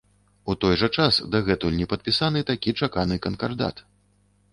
У той жа час дагэтуль не падпісаны такі чаканы канкардат.